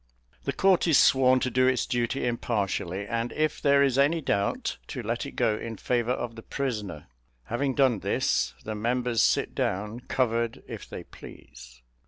The court is sworn to do its duty impartially, and if there is any doubt, to let it go in favour of the prisoner. Having done this, the members sit down, covered if they please.